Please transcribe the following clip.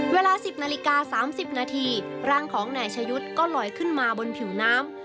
เวลา๑๐นาฬิกา๓๐นาทีร่างของนายชายุทธ์ก็ลอยขึ้นมาบนผิวน้ำ